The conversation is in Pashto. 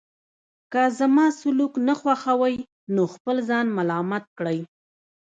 که زما سلوک نه خوښوئ نو خپل ځان ملامت کړئ.